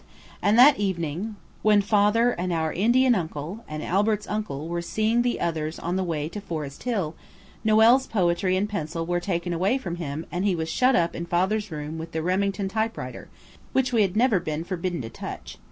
And that evening, when Father and our Indian uncle and Albert's uncle were seeing the others on the way to Forest Hill, Noël's poetry and pencil were taken away from him and he was shut up in Father's room with the Remington typewriter, which we had never been forbidden to touch.